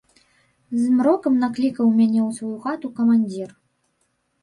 Змрокам наклікаў мяне ў сваю хату камандзір.